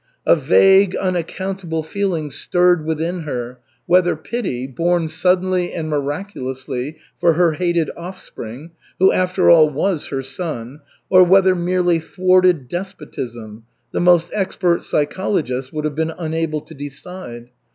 A vague, unaccountable feeling stirred within her, whether pity, born suddenly and miraculously, for her hated offspring, who, after all, was her son, or whether merely thwarted despotism, the most expert psychologist would have been unable to decide.